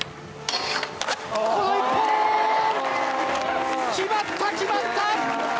この一本！決まった、決まった！